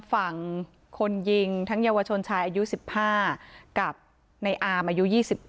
ฝั่งคนยิงทั้งเยาวชนชายอายุ๑๕กับในอามอายุ๒๗